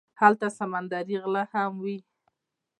هلته سمندري غله هم وي.